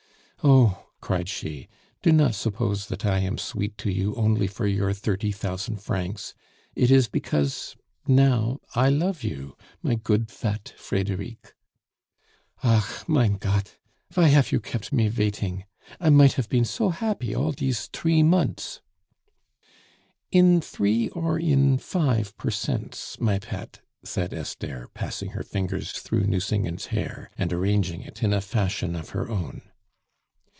"Oh!" cried she, "do not suppose that I am sweet to you only for your thirty thousand francs! It is because now I love you, my good, fat Frederic." "Ach, mein Gott! Vy hafe you kept me vaiting? I might hafe been so happy all dese tree monts." "In three or in five per cents, my pet?" said Esther, passing her fingers through Nucingen's hair, and arranging it in a fashion of her own.